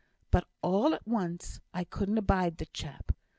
But all at once, I couldn't abide the chap.